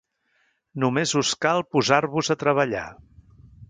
Només us cal posar-vos a treballar.